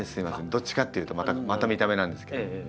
どっちかっていうとまた見た目なんですけど。